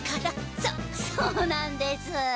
そっそうなんです。